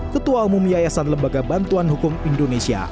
ketua umum yayasan lembaga bantuan hukum indonesia